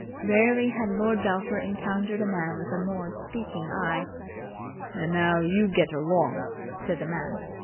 Rarely had Lord Belpher encountered a man with a more speaking eye. "And now you get along," said the man.